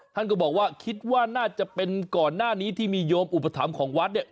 ท่านก็บอกว่าคิดว่าน่าจะเป็นก่อนหน้านี้ที่มีโยมอุปถัมภ์ของวัดเนี่ย